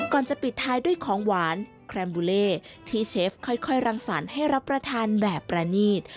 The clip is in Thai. ก่อนจะปิดท้ายด้วยของหวานแครมบูเล่ที่เชฟค่อยรังสรรค์ให้รับประทานแบบประนีต